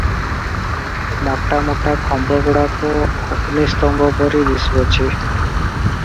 ମୋଟା ମୋଟା ଖମ୍ବଗୁଡ଼ାକ ଅଗ୍ନିସ୍ତମ୍ବ ପରି ଦିଶୁଅଛି ।